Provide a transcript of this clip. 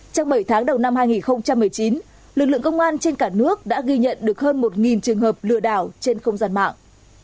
trong bảy tháng đầu năm hai nghìn một mươi chín lực lượng công an trên cả nước đã ghi nhận được hơn một trường hợp lừa đảo trên không gian mạng